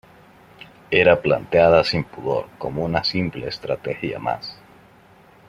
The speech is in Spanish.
era planteada sin pudor como una simple estrategia más